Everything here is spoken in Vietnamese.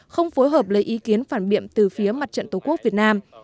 không phối hợp lấy ý kiến phản biện từ phía mặt trận tổ quốc việt nam